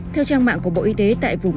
theo trang mạng của bộ y tế tại vùng thủ tướng